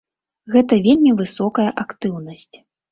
Гэта вельмі высокая актыўнасць.